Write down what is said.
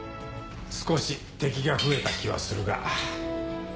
少し敵が増えた気はするが。